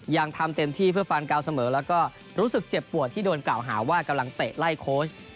ยังทำเต็มที่เพื่อฟันกาวเสมอแล้วก็รู้สึกเจ็บปวดที่โดนกล่าวหาว่ากำลังเตะไล่โค้ช